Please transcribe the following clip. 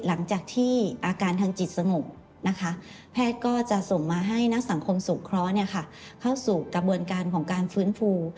หลังจากที่อาการทางจิตสงบนะคะแพทย์ก็จะส่งมาให้นักสังคมสงเคราะห์เข้าสู่กระบวนการของการฟื้นฟู